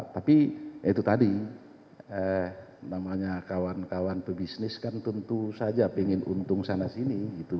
tapi itu tadi namanya kawan kawan pebisnis kan tentu saja pengen untung sana sini gitu